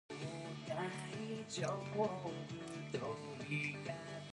This decision speaks for itself.